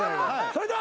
それでは。